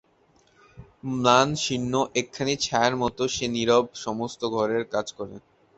ম্লান শীর্ণ একখানি ছায়ার মতো সে নীরবে সমস্ত ঘরের কাজ করে।